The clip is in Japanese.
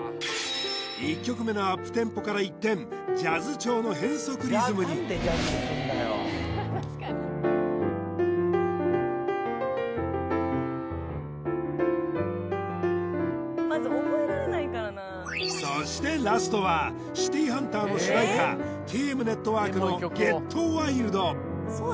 １曲目のアップテンポから一転ジャズ調の変則リズムにそしてラストは「シティーハンター」の主題歌ＴＭＮＥＴＷＯＲＫの「ＧｅｔＷｉｌｄ」